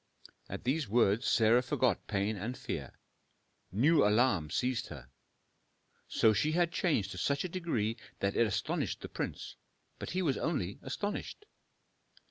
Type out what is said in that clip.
At these words Sarah forgot pain and fear. New alarm seized her: so she had changed to such a degree that it astonished the prince, but he was only astonished.